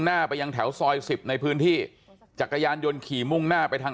หน้าไปยังแถวซอยสิบในพื้นที่จักรยานยนต์ขี่มุ่งหน้าไปทาง